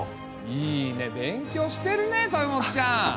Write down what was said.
いいね勉強してるね豊本ちゃん！